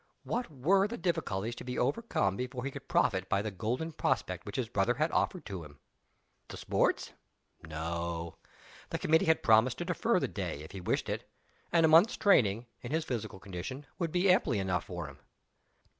What were the difficulties to be overcome before he could profit by the golden prospect which his brother had offered to him? The Sports? No! The committee had promised to defer the day, if he wished it and a month's training, in his physical condition, would be amply enough for him.